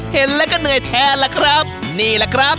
เห็นแล้วก็เหนื่อยแทนล่ะครับนี่แหละครับ